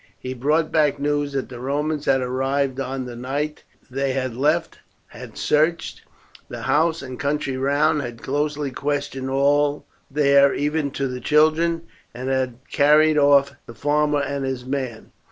He brought back news that the Romans had arrived on the night they had left, had searched the house and country round, had closely questioned all there, even to the children, and had carried off the farmer and his man.